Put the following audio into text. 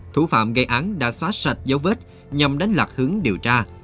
thủ phạm gây án đã xóa sạch dấu vết nhằm đánh lạc hướng điều tra